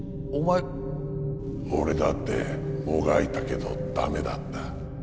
俺だってもがいたけど駄目だった。